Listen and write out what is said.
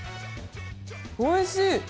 おいしい！